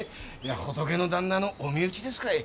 「仏の旦那」のお身内ですかい。